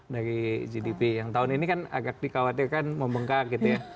dari gdp yang tahun ini kan agak dikhawatirkan membengkak gitu ya